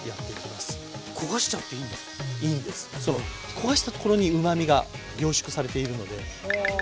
焦がしたところにうまみが凝縮されているので。